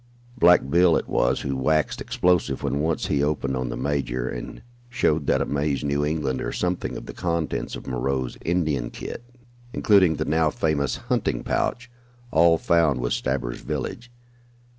"Black Bill" it was who waxed explosive when once he opened on the major, and showed that amazed New Englander something of the contents of Moreau's Indian kit, including the now famous hunting pouch, all found with Stabber's village.